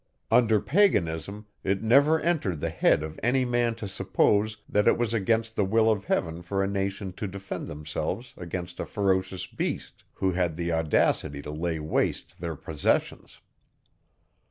Under paganism, it never entered the head of any man to suppose, that it was against the will of heaven for a nation to defend themselves against a ferocious beast, who had the audacity to lay waste their possessions.